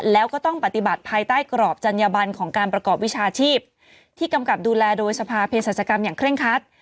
แล้วก็ต้องปฏิบัติภายใต้กรอบจัญญบันของการประกอบวิชาชีพที่กำกับดูแลโดยสภาเพศรัชกรรมอย่างเคร่งคัด